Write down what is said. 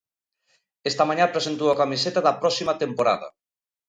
Esta mañá presentou a camiseta da próxima temporada.